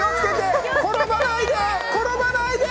転ばないで！